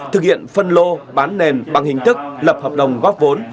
thực hiện phân lô bán nền bằng hình thức lập hợp đồng góp vốn